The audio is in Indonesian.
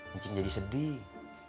encing jadi sedih